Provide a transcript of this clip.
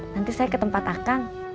nanti saya ke tempat akang